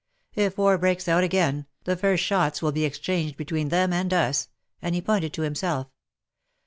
If war breaks out again, the first shots will be exchanged between them and us," and he pointed to himself.